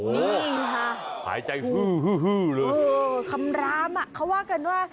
นี่ค่ะหายใจคำรามอ่ะเขาว่ากันว่า